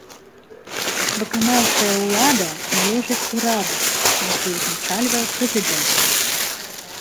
Выканаўчая ўлада належыць ураду, які ўзначальвае прэзідэнт.